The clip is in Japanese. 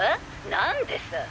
何でさ！？